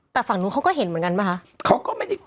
แต่ฝั่งนู้นเขาก็เห็นเหมือนกันป่ะคะ